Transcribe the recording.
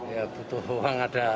ya butuh uang ada